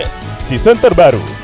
lima s season terbaru